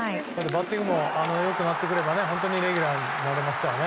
バッティングも良くなってくればレギュラーになれますから。